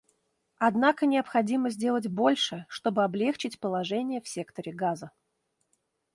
Однако необходимо сделать больше, чтобы облегчить положение в секторе Газа.